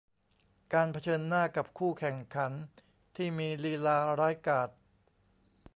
การเผชิญหน้ากับคู่แข่งขันที่มีลีลาร้ายกาจ